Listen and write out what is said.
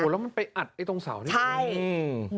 โหแล้วมันไปอัดตรงเสาตรงนี้